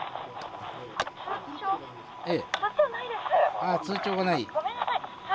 ああ通帳がない。